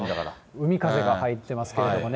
海風が入ってますけどもね。